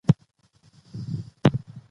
هغه د مفرور په نوم یو کتاب لیکلی و.